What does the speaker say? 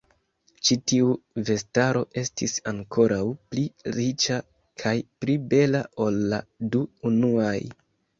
Ĉi tiu vestaro estis ankoraŭ pli riĉa kaj pli bela ol la du unuaj.